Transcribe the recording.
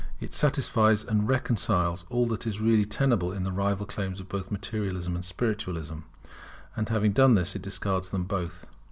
It satisfies and reconciles all that is really tenable in the rival claims of both Materialism and Spiritualism; and, having done this, it discards them both.